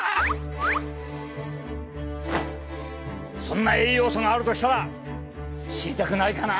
そんな栄養素があるとしたら知りたくないかな？